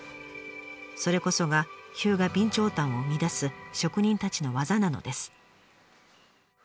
それこそが日向備長炭を生み出す職人たちの技なのです。